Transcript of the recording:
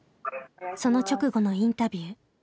その直後のインタビュー。